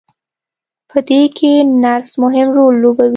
په دې کې نرس مهم رول لوبوي.